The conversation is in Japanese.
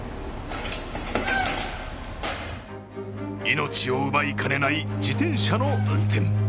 命を奪いかねない自転車の運転。